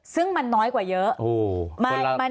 ซึ่งมันน้อยกว่าเยอะ